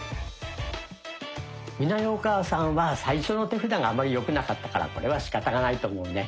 美奈代お母さんは最初の手札があまりよくなかったからこれはしかたがないと思うね。